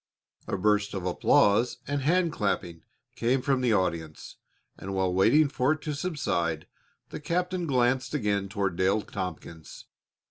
A burst of applause and hand clapping came from the audience, and while waiting for it to subside the captain glanced again toward Dale Tompkins.